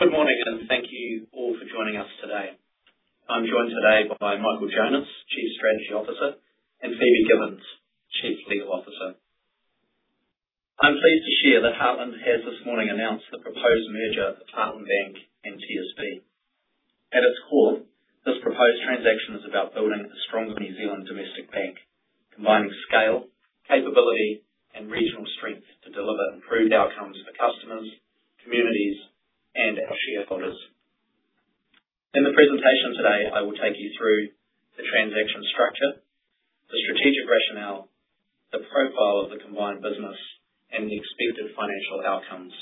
Good morning, thank you all for joining us today. I'm joined today by Michael Jonas, Chief Strategy Officer, and Phoebe Gibbons, Chief Legal Officer. I'm pleased to share that Heartland has this morning announced the proposed merger of Heartland Bank and TSB. At its core, this proposed transaction is about building a stronger New Zealand domestic bank, combining scale, capability, and regional strength to deliver improved outcomes for customers, communities, and our shareholders. In the presentation today, I will take you through the transaction structure, the strategic rationale, the profile of the combined business, and the expected financial outcomes.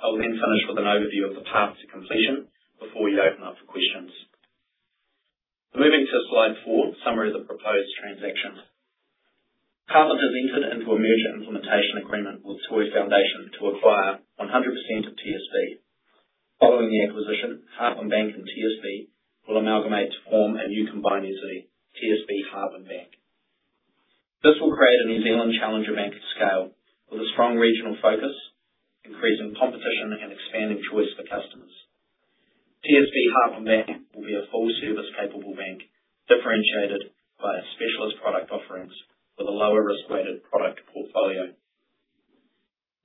I will then finish with an overview of the path to completion before we open up for questions. Moving to slide four, summary of the proposed transaction. Heartland has entered into a merger implementation agreement with Toi Foundation to acquire 100% of TSB. Following the acquisition, Heartland Bank and TSB will amalgamate to form a new combined entity, TSB Heartland Bank. This will create a New Zealand challenger bank of scale with a strong regional focus, increasing competition and expanding choice for customers. TSB Heartland Bank will be a full-service capable bank differentiated by its specialist product offerings with a lower risk-weighted product portfolio.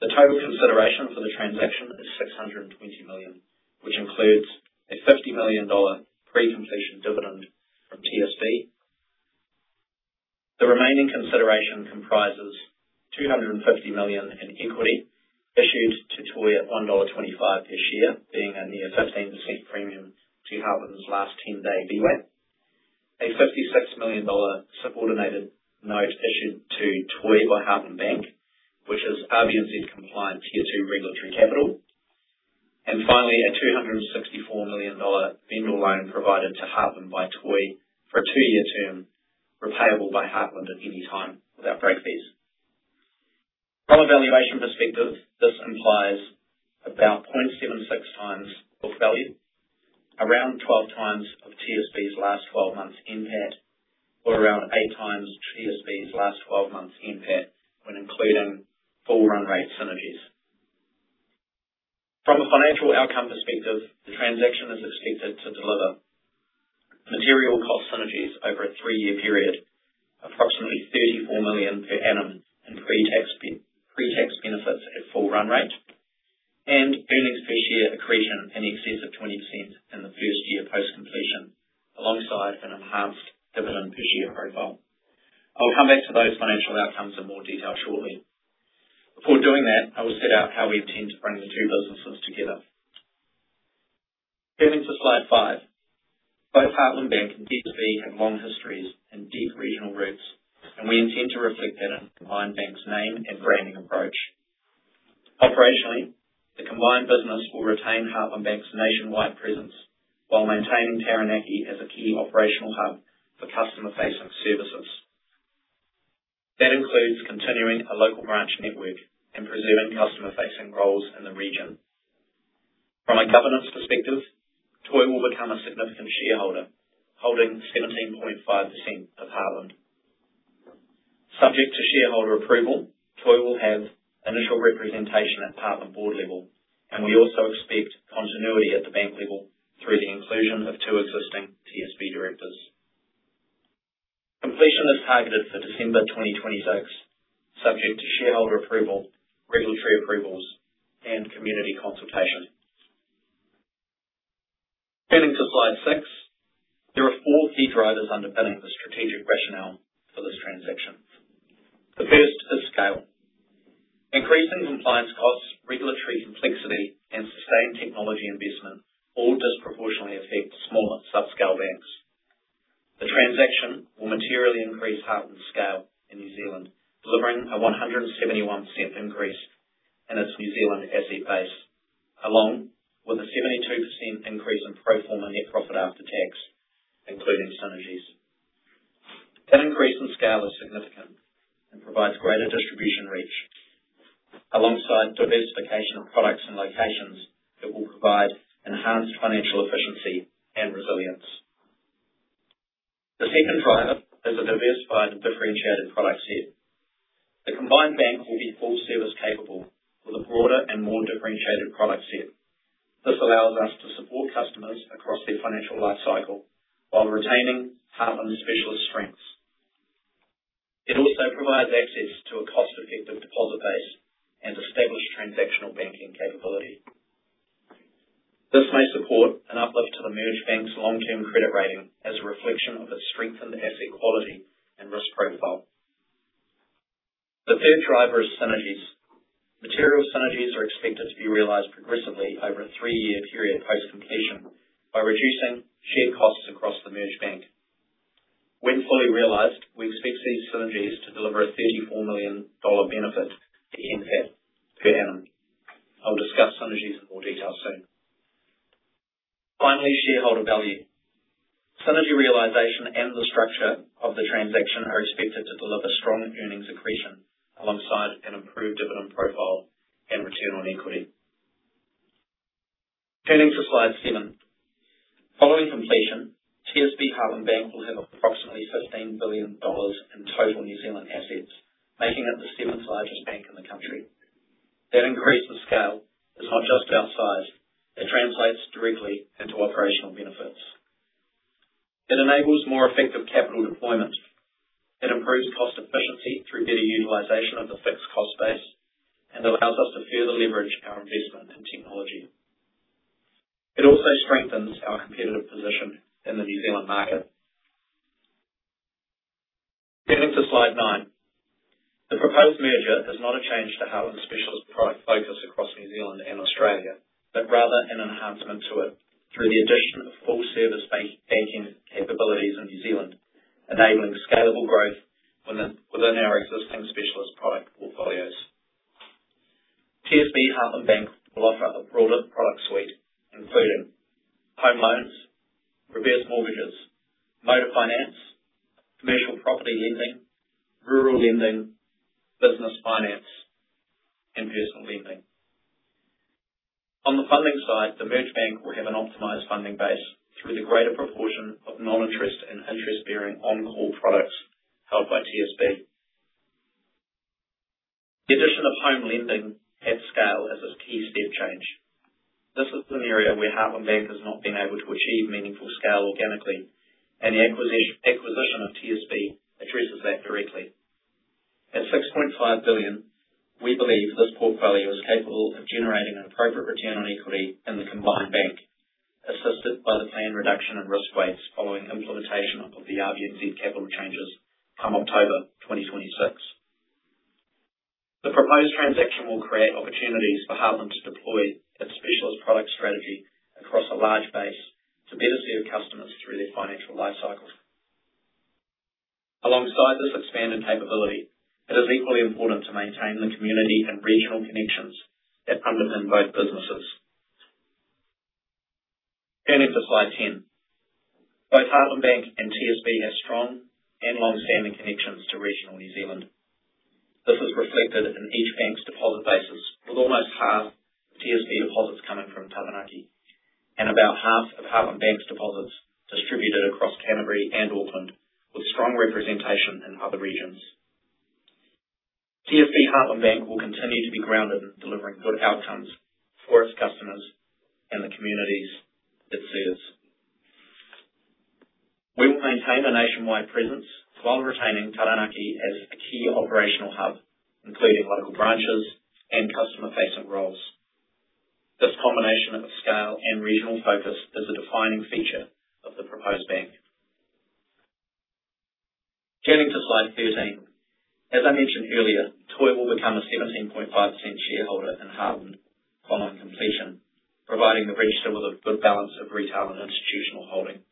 The total consideration for the transaction is 620 million, which includes a 50 million dollar pre-completion dividend from TSB. The remaining consideration comprises 250 million in equity issued to Toi at 1.25 dollar per share, being a near 15% premium to Heartland's last 10-day VWAP. A 56 million dollar subordinated note issued to Toi by Heartland Bank, which is RBNZ compliant Tier 2 regulatory capital. Finally, a 264 million dollar vendor loan provided to Heartland by Toi for a two-year term, repayable by Heartland at any time without break fees. From a valuation perspective, this implies about 0.76 times book value, around 12 times of TSB's last 12 months NPAT, or around eight times TSB's last 12 months NPAT when including full run rate synergies. From a financial outcome perspective, the transaction is expected to deliver material cost synergies over a three-year period, approximately 34 million per annum in pre-tax benefits at full run rate, and EPS accretion in excess of 20% in the first year post-completion, alongside an enhanced dividend per share profile. I will come back to those financial outcomes in more detail shortly. Before doing that, I will set out how we intend to bring the two businesses together. Turning to slide five. Both Heartland Bank and TSB have long histories and deep regional roots, we intend to reflect that in the combined bank's name and branding approach. Operationally, the combined business will retain Heartland Bank's nationwide presence while maintaining Taranaki as a key operational hub for customer-facing services. That includes continuing a local branch network and preserving customer-facing roles in the region. From a governance perspective, Toi will become a significant shareholder, holding 17.5% of Heartland. Subject to shareholder approval, Toi will have initial representation at Heartland board level, and we also expect continuity at the bank level through the inclusion of two existing TSB directors. Completion is targeted for December 2026, subject to shareholder approval, regulatory approvals, and community consultation. Turning to slide six. There are four key drivers underpinning the strategic rationale for this transaction. The first is scale. Increasing compliance costs, regulatory complexity, and sustained technology investment all disproportionately affect smaller subscale banks. The transaction will materially increase Heartland's scale in New Zealand, delivering a 171% increase in its New Zealand asset base, along with a 72% increase in pro forma net profit after tax, including synergies. That increase in scale is significant and provides greater distribution reach. Alongside diversification of products and locations, it will provide enhanced financial efficiency and resilience. The second driver is a diversified, differentiated product set. The combined bank will be full service capable with a broader and more differentiated product set. This allows us to support customers across their financial life cycle while retaining Heartland's specialist strengths. It also provides access to a cost-effective deposit base and established transactional banking capability. This may support an uplift to the merged bank's long-term credit rating as a reflection of its strengthened asset quality and risk profile. The third driver is synergies. Material synergies are expected to be realized progressively over a three-year period post-completion by reducing shared costs across the merged bank. When fully realized, we expect these synergies to deliver a 34 million dollar benefit to NPAT per annum. I'll discuss synergies in more detail soon. Finally, shareholder value. Synergy realization and the structure of the transaction are expected to deliver strong earnings accretion alongside an improved dividend profile and return on equity. Turning to slide seven. Following completion, TSB Heartland Bank will have approximately 15 billion dollars in total New Zealand assets, making it the seventh largest bank in the country. That increase in scale is not just our size, it translates directly into operational benefits. It enables more effective capital deployment. It improves cost efficiency through better utilization of the fixed cost base and allows us to further leverage our investment in technology. It also strengthens our competitive position in the New Zealand market. Turning to slide nine. The proposed merger is not a change to Heartland's specialist product focus across New Zealand and Australia, but rather an enhancement to it through the addition of full service banking capabilities in New Zealand, enabling scalable growth within our existing specialist product portfolios. TSB Heartland Bank will offer a broader product suite including home loans, reverse mortgages, motor finance, commercial property lending, rural lending, business finance, and personal lending. On the funding side, the merged bank will have an optimized funding base through the greater proportion of non-interest and interest bearing on the whole products held by TSB. The addition of home lending at scale is a key step change. This is an area where Heartland Bank has not been able to achieve meaningful scale organically, and the acquisition of TSB addresses that directly. At 6.5 billion, we believe this portfolio is capable of generating an appropriate return on equity in the combined bank, assisted by the planned reduction in risk weights following implementation of the RBNZ capital changes come October 2026. The proposed transaction will create opportunities for Heartland to deploy its specialist product strategy across a large base to better serve customers through their financial life cycles. Alongside this expanded capability, it is equally important to maintain the community and regional connections that underpin both businesses. Turning to slide 10. Both Heartland Bank and TSB have strong and longstanding connections to regional New Zealand. This is reflected in each bank's deposit basis, with almost half of TSB deposits coming from Taranaki and about half of Heartland Bank's deposits distributed across Canterbury and Auckland, with strong representation in other regions. TSB Heartland Bank will continue to be grounded in delivering good outcomes for its customers and the communities it serves. We will maintain a nationwide presence while retaining Taranaki as a key operational hub, including local branches and customer-facing roles. This combination of scale and regional focus is a defining feature of the proposed bank. Turning to slide 13. As I mentioned earlier, TOI will become a 17.5% shareholder in Heartland upon completion, providing the register with a good balance of retail and institutional holding.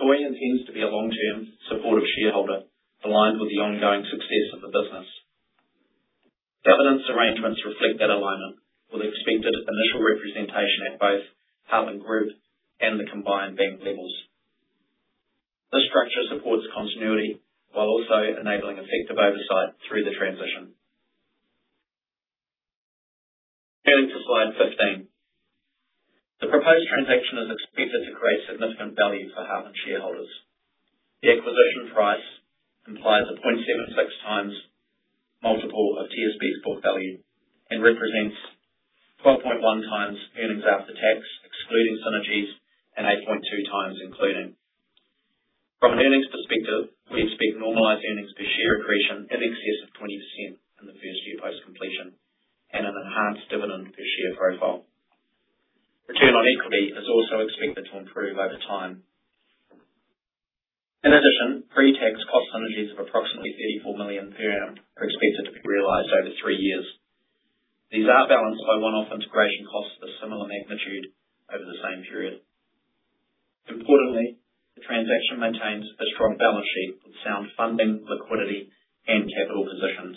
TOI intends to be a long-term supportive shareholder aligned with the ongoing success of the business. Governance arrangements reflect that alignment with expected initial representation at both Heartland Group and the combined bank levels. This structure supports continuity while also enabling effective oversight through the transition. Turning to slide 15. The proposed transaction is expected to create significant value for Heartland shareholders. The acquisition price implies a 0.76 times multiple of TSB's book value and represents 12.1 times earnings after tax, excluding synergies, and 8.2 times including. From an earnings perspective, we expect normalized earnings per share accretion in excess of 20% in the first year post-completion and an enhanced dividend per share profile. Return on equity is also expected to improve over time. In addition, pre-tax cost synergies of approximately 34 million per annum are expected to be realized over three years. These are balanced by one-off integration costs of similar magnitude over the same period. Importantly, the transaction maintains a strong balance sheet with sound funding, liquidity, and capital positions.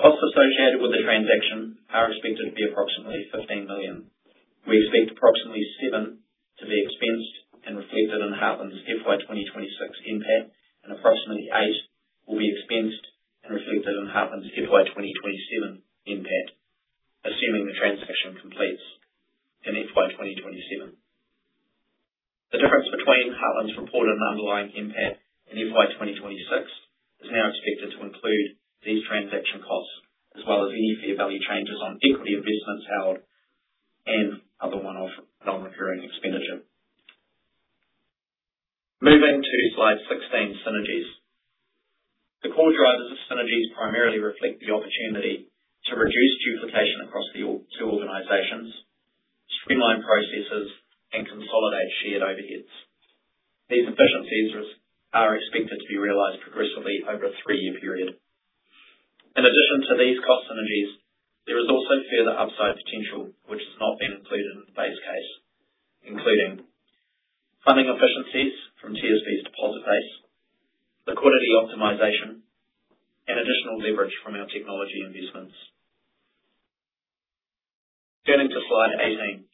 Costs associated with the transaction are expected to be approximately 15 million. We expect approximately 7 to be expensed and reflected in Heartland's FY 2026 NPAT, and approximately 8 will be expensed and reflected in Heartland's FY 2027 NPAT, assuming the transaction completes in FY 2027. The difference between Heartland's reported and underlying NPAT in FY 2026 is now expected to include these transaction costs, as well as any fair value changes on equity investments held and other one-off non-recurring expenditure. Moving to slide 16, synergies. The core drivers of synergies primarily reflect the opportunity to reduce duplication across the two organizations, streamline processes, and consolidate shared overheads. These efficiencies are expected to be realized progressively over a three-year period. In addition to these cost synergies, there is also further upside potential which has not been included in the base case, including funding efficiencies from TSB's deposit base, liquidity optimization, and additional leverage from our technology investments. Turning to slide 18.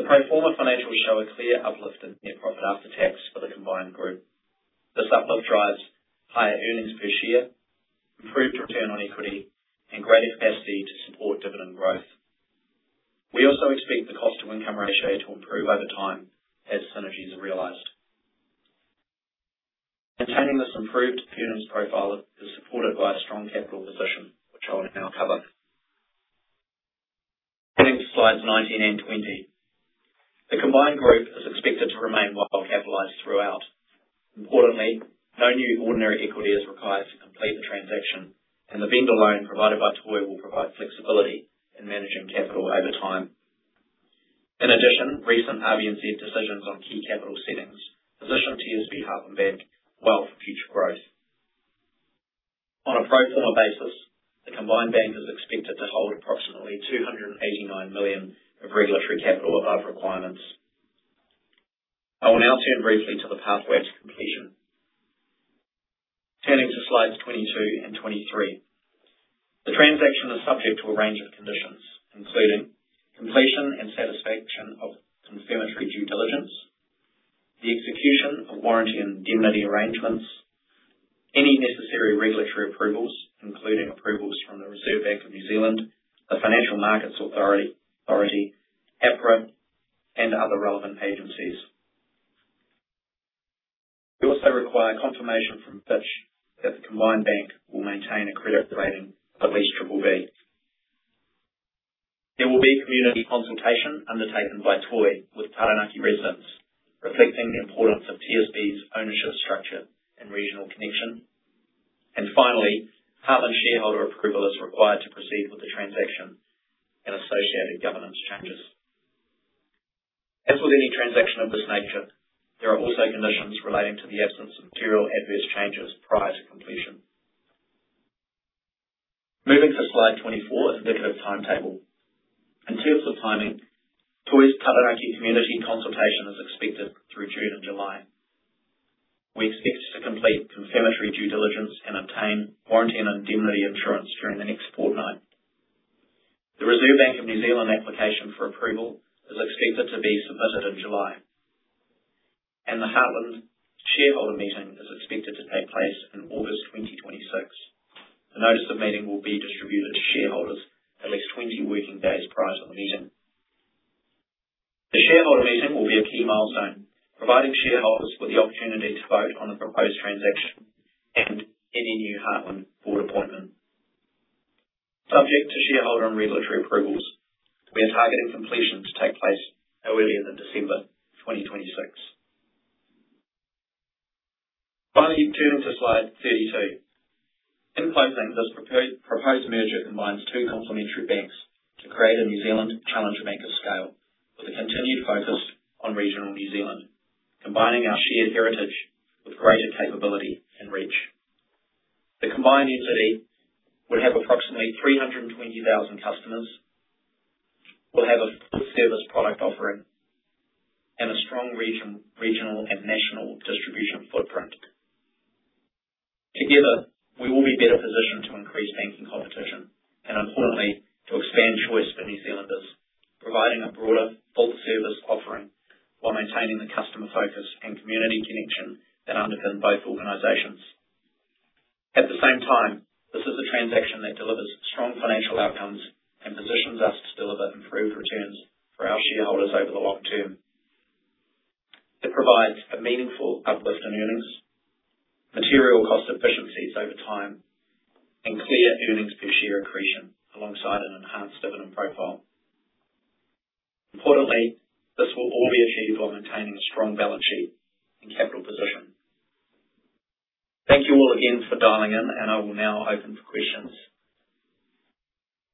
The pro forma financials show a clear uplift in net profit after tax for the combined group. This uplift drives higher earnings per share Improved return on equity and greater capacity to support dividend growth. We also expect the cost to income ratio to improve over time as synergies are realized. Maintaining this improved earnings profile is supported by a strong capital position, which I'll now cover. Turning to slides 19 and 20. The combined group is expected to remain well-capitalized throughout. Importantly, no new ordinary equity is required to complete the transaction, and the vendor loan provided by Toi will provide flexibility in managing capital over time. Recent RBNZ decisions on key capital settings position TSB Heartland Bank well for future growth. On a pro forma basis, the combined bank is expected to hold approximately 289 million of regulatory capital above requirements. I will now turn briefly to the pathway to completion. Turning to slides 22 and 23. The transaction is subject to a range of conditions, including completion and satisfaction of confirmatory due diligence, the execution of warranty and indemnity arrangements, any necessary regulatory approvals, including approvals from the Reserve Bank of New Zealand, the Financial Markets Authority, APRA, and other relevant agencies. We also require confirmation from Fitch that the combined bank will maintain a credit rating of at least BBB. There will be community consultation undertaken by Toi with Taranaki residents, reflecting the importance of TSB's ownership structure and regional connection. Finally, Heartland shareholder approval is required to proceed with the transaction and associated governance changes. As with any transaction of this nature, there are also conditions relating to the absence of material adverse changes prior to completion. Moving to slide 24, indicative timetable. In terms of timing, Toi's Taranaki community consultation is expected through June and July. We expect to complete confirmatory due diligence and obtain warranty and indemnity insurance during the next fortnight. The Reserve Bank of New Zealand application for approval is expected to be submitted in July, and the Heartland shareholder meeting is expected to take place in August 2026. The notice of meeting will be distributed to shareholders at least 20 working days prior to the meeting. The shareholder meeting will be a key milestone, providing shareholders with the opportunity to vote on the proposed transaction and any new Heartland board appointment. Subject to shareholder and regulatory approvals, we are targeting completion to take place no earlier than December 2026. Finally, turning to slide 32. In closing, this proposed merger combines two complementary banks to create a New Zealand challenge bank of scale with a continued focus on regional New Zealand, combining our shared heritage with greater capability and reach. The combined entity will have approximately 320,000 customers, will have a full-service product offering, and a strong regional and national distribution footprint. Together, we will be better positioned to increase banking competition and importantly, to expand choice for New Zealanders, providing a broader full-service offering while maintaining the customer focus and community connection that underpin both organizations. At the same time, this is a transaction that delivers strong financial outcomes and positions us to deliver improved returns for our shareholders over the long term. It provides a meaningful uplift in earnings, material cost efficiencies over time, and clear earnings per share accretion alongside an enhanced dividend profile. Importantly, this will all be achieved while maintaining a strong balance sheet and capital position. Thank you all again for dialing in. I will now open for questions.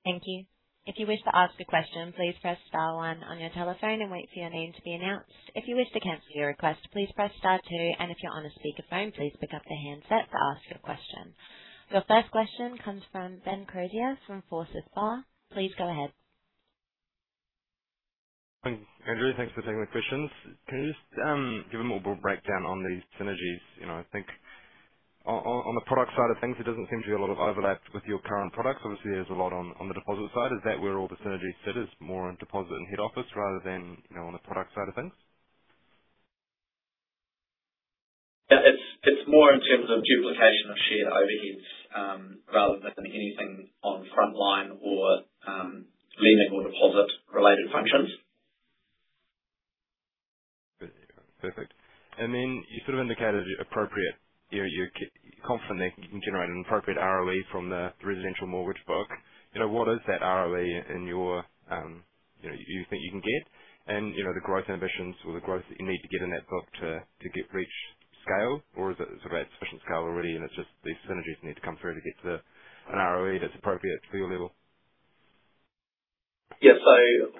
Thank you. If you wish to ask a question, please press star one on your telephone and wait for your name to be announced. If you wish to cancel your request, please press star two, and if you're on a speakerphone, please pick up the handset to ask your question. Your first question comes from Ben Crozier from Forsyth Barr. Please go ahead. Andrew, thanks for taking the questions. Can you just give a more broad breakdown on these synergies? I think on the product side of things, there doesn't seem to be a lot of overlap with your current products. Obviously, there's a lot on the deposit side. Is that where all the synergies sit, is more on deposit and head office rather than on the product side of things? It's more in terms of duplication of shared overheads, rather than anything on frontline or lending or deposit-related functions. Good. Perfect. You sort of indicated appropriate, you're confident that you can generate an appropriate ROE from the residential mortgage book. What is that ROE do you think you can get and the growth ambitions or the growth that you need to get in that book to reach scale? Is it sort of at sufficient scale already and it's just these synergies need to come through to get to an ROE that's appropriate for your level? Yeah.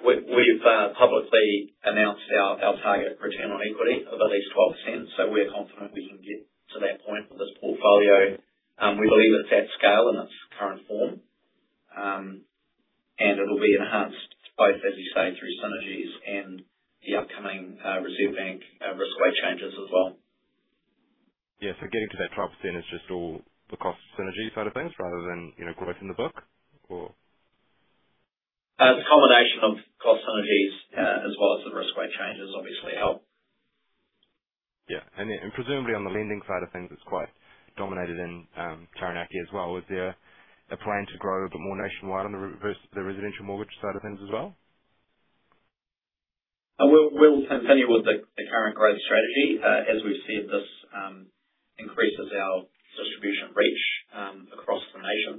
We've publicly announced our target return on equity of at least 12%, so we're confident we can get to that point with this portfolio. We believe it's at scale in its current form, and it'll be enhanced both, as you say, through synergies and the upcoming Reserve Bank risk weight changes as well. Yeah. Getting to that 12% is just all the cost synergy side of things rather than growing the book or It's a combination of cost synergies as well as the risk weight changes obviously help Yeah. Presumably on the lending side of things, it's quite dominated in Taranaki as well. Is there a plan to grow a bit more nationwide on the residential mortgage side of things as well? We'll continue with the current growth strategy. As we've said, this increases our distribution reach across the nation,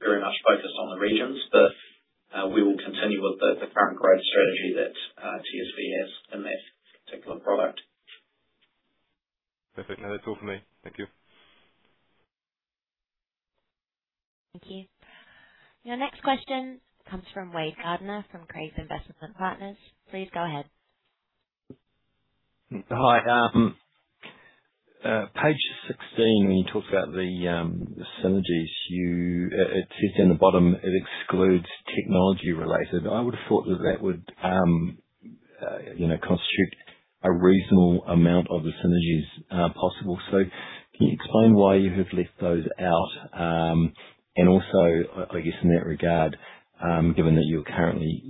very much focused on the regions. We will continue with the current growth strategy that TSB has in that particular product. Perfect. No, that's all from me. Thank you. Thank you. Your next question comes from Wade Gardiner, from Craigs Investment Partners. Please go ahead. Hi. Page 16, when you talk about the synergies, it says down the bottom it excludes technology related. I would have thought that that would constitute a reasonable amount of the synergies possible. Can you explain why you have left those out? Also, I guess in that regard, given that you're currently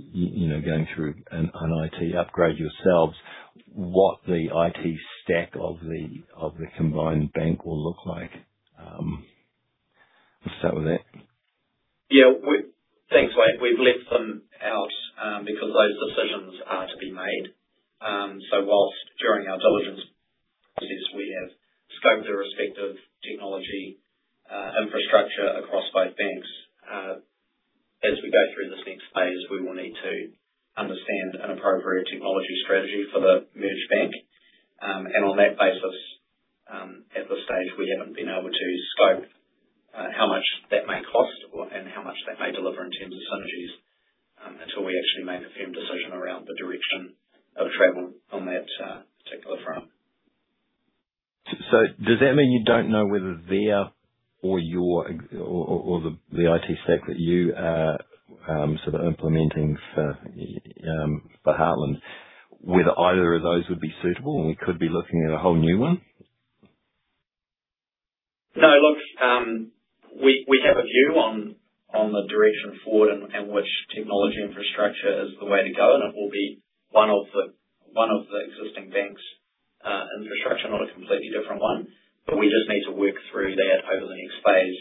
going through an IT upgrade yourselves, what the IT stack of the combined bank will look like? I'll start with that. Yeah. Thanks, Wade. We've left them out because those decisions are to be made. Whilst during our diligence process we have scoped the respective technology infrastructure across both banks, as we go through this next phase, we will need to understand an appropriate technology strategy for the merged bank. On that basis, at this stage, we haven't been able to scope how much that may cost and how much that may deliver in terms of synergies, until we actually make a firm decision around the direction of travel on that particular front. Does that mean you don't know whether their or your, or the IT stack that you are sort of implementing for Heartland, whether either of those would be suitable and we could be looking at a whole new one? No, look, we have a view on the direction forward which technology infrastructure is the way to go, it will be one of the existing bank's infrastructure, not a completely different one. We just need to work through that over the next phase,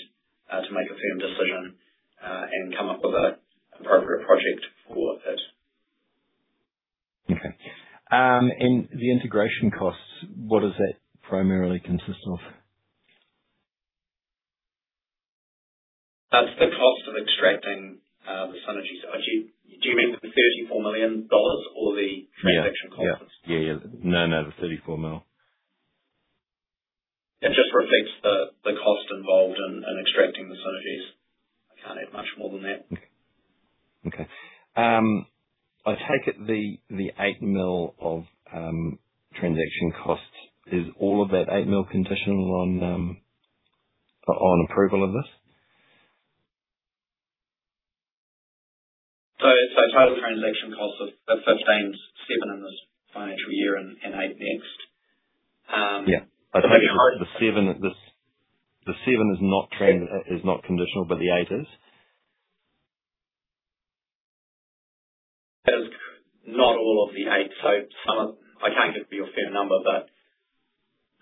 to make a firm decision, and come up with an appropriate project for it. Okay. The integration costs, what does that primarily consist of? That's the cost of extracting the synergies. Do you mean with the 34 million dollars or the transaction cost? Yeah. No, the 34 million. It just reflects the cost involved in extracting the synergies. I can't add much more than that. Okay. I take it the 8 million of transaction costs, is all of that 8 million conditional on approval of this? Total transaction costs are 7 in this financial year and 8 next. I take it the 7 is not conditional, but the NZD 8 is? Not all of the 8. I can't give you a fair number, but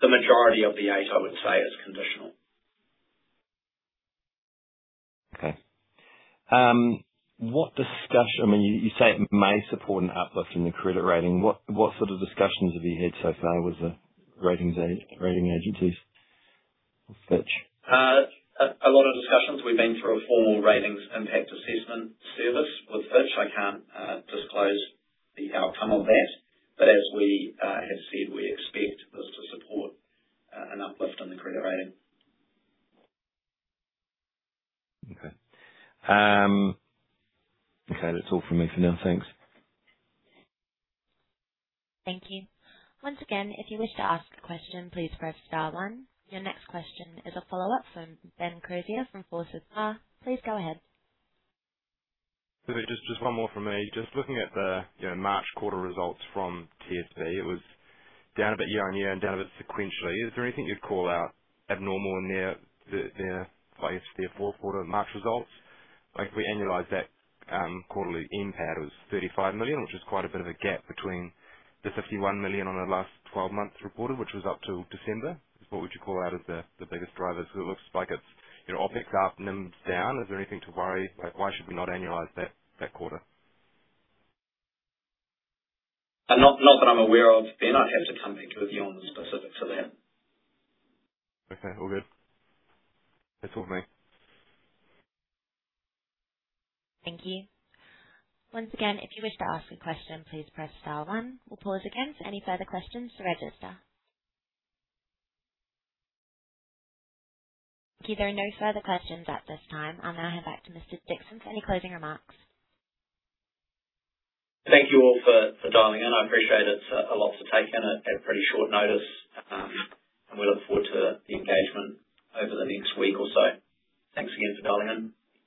the majority of the 8, I would say, is conditional. You say it may support an uplift in the credit rating. What sort of discussions have you had so far with the rating agencies, with Fitch? A lot of discussions. We've been through a formal ratings impact assessment service with Fitch. I can't disclose the outcome of that. As we have said, we expect this to support an uplift in the credit rating. Okay. That's all from me for now. Thanks. Thank you. Once again, if you wish to ask a question, please press star one. Your next question is a follow-up from Ben Crozier from Forsyth Barr. Please go ahead. Just one more from me. Just looking at the March quarter results from TSB, it was down a bit year-over-year and down a bit sequentially. Is there anything you'd call out abnormal in their fourth quarter March results? If we annualize that quarterly NPAT, it was 35 million, which is quite a bit of a gap between the 51 million on the last 12 months reported, which was up till December. What would you call out as the biggest drivers? It looks like it's OpEx up, NIMs down. Is there anything like why should we not annualize that quarter? Not that I'm aware of, Ben. I'd have to come back to you on the specifics of that. Okay, all good. That's all from me. Thank you. Once again, if you wish to ask a question, please press star one. We'll pause again for any further questions to register. Okay. There are no further questions at this time. I now hand back to Mr. Dixson for any closing remarks. Thank you all for dialing in. I appreciate it. It's a lot to take in at pretty short notice, and we look forward to the engagement over the next week or so. Thanks again for dialing in.